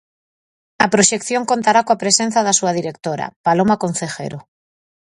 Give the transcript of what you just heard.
A proxección contará coa presenza da súa directora, Paloma Concejero.